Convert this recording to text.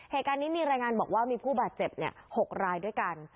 เหตุการณ์นี้มีรายงานบอกว่ามีผู้บาดเจ็บ๖รายด้วยกัน